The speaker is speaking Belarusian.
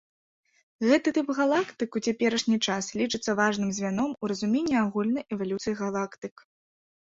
Гэты тып галактык ў цяперашні час лічыцца важным звяном у разуменні агульнай эвалюцыі галактык.